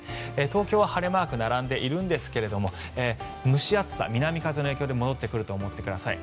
東京は晴れマークが並んでいるんですが蒸し暑さ、南風の影響で戻ってくると思ってください。